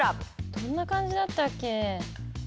どんな感じだったっけ？